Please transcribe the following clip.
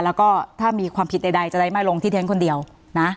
แล้วก็ถ้ามีความผิดใดจะได้ไม่ลงที่เท้นคนเดียวนะ